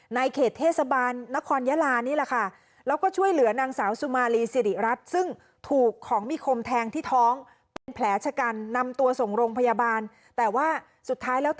ในเขตเทศบานนครยะลานี่แหละค่ะ